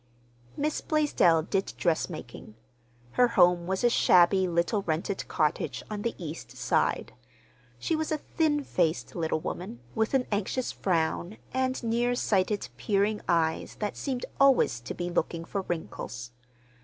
Miss Blaisdell did dressmaking. Her home was a shabby little rented cottage on the East Side. She was a thin faced little woman with an anxious frown and near sighted, peering eyes that seemed always to be looking for wrinkles.